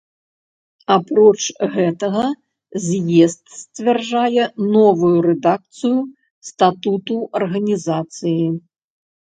Апроч гэтага з'езд сцвярджае новую рэдакцыю статуту арганізацыі.